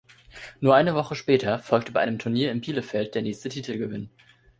Nur eine Woche später folgte bei einem Turnier in Bielefeld der nächste Titelgewinn.